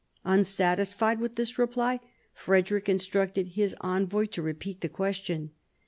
Unsatisfied with this reply, Frederick instructed his envoy to repeat the question.